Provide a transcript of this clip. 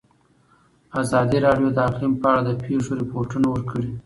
ازادي راډیو د اقلیم په اړه د پېښو رپوټونه ورکړي.